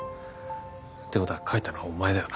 てことは書いたのはお前だよな？